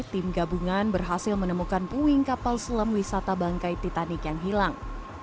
tim gabungan berhasil menemukan puing kapal selam wisata bangkai titanic yang hilang